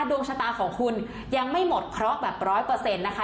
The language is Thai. ดวงชะตาของคุณยังไม่หมดเคราะห์แบบร้อยเปอร์เซ็นต์นะคะ